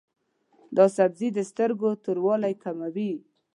دا سبزی د سترګو توروالی کموي.